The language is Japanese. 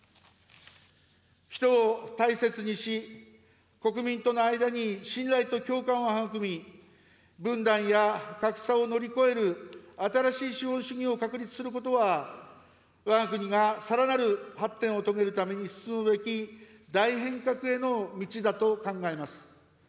人を大切にし、国民との間に信頼と共感を育み、分断や格差を乗り越える新しい資本主義を確立することは、わが国がさらなる発展を遂げるために進むべき大変革への道だと考えます。